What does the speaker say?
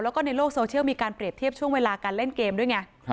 แล้วก็ในโลกโซเชียลมีการเปรียบเทียบช่วงเวลาการเล่นเกมด้วยไง